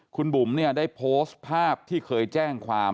คุณบุ๋มเนี่ยได้โพสต์ภาพที่เคยแจ้งความ